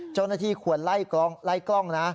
เจ้าหน้าที่ควรไล่กล้องนะ